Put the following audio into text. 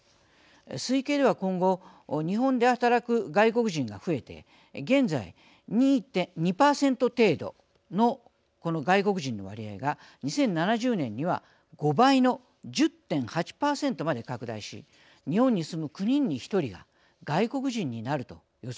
推計では今後日本で働く外国人が増えて現在２％程度のこの外国人の割合が２０７０年には５倍の１０．８％まで拡大し日本に住む９人に１人が外国人になると予測しています。